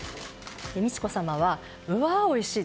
美智子さまはうわあ、おいしい！